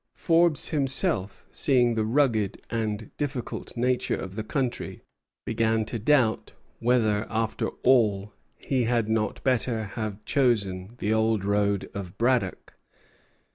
Forbes himself, seeing the rugged and difficult nature of the country, began to doubt whether after all he had not better have chosen the old road of Braddock.